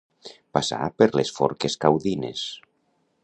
Passar per les forques caudines.